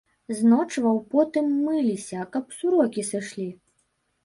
З ночваў потым мыліся, каб сурокі сышлі.